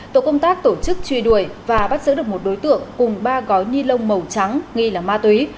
tổ công tác tổ chức truy đuổi và bắt giữ được một đối tượng cùng ba gói ni lông màu trắng nghi là ma túy